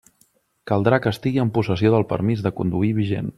Caldrà que estigui en possessió del permís de conduir vigent.